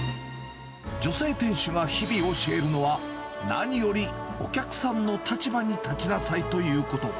女性店主が日々、教えるのは、何よりお客さんの立場に立ちなさいということ。